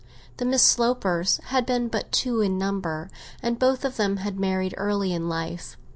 The Miss Slopers had been but two in number, and both of them had married early in life.